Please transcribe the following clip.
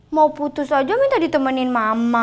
mau putus aja minta ditemenin mama